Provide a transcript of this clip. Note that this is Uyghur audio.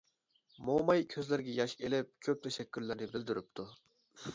موماي كۆزلىرىگە ياش ئېلىپ كۆپ تەشەككۈرلەرنى بىلدۈرۈپتۇ.